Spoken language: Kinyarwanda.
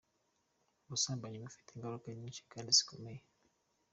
Ubusambanyi bufite ingaruka nyinshi kandi zikomeye.